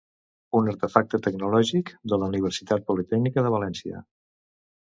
Un artefacte tecnològic, de la Universitat Politècnica de València.